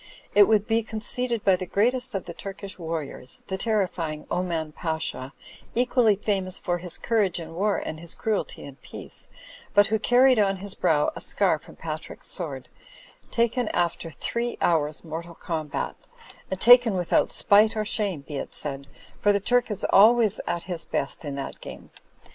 It would be con ceded by the greatest of the Turkish warriors, the ter rifying Oman Pasha, equally famous for his courage in war and his cruelty in peace; but who carried on his brow a scar from Patrick's sword, taken after three hours mortal combat — ^and taken without spite or shame, be it said, for the Turk is always at his best in that game.